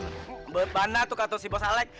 bagaimana tuh kata si bos alek